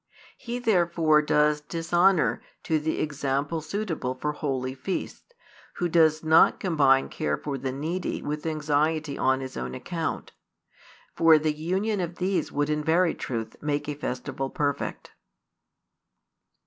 He therefore does dishonour to the example suitable for holy feasts, who does not combine care for the needy with anxiety on his own account. For the union of these would in very truth make a festival perfect.